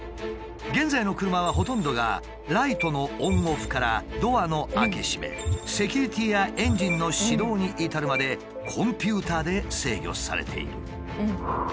現在の車はほとんどがライトのオン・オフからドアの開け閉めセキュリティーやエンジンの始動に至るまでコンピューターで制御されている。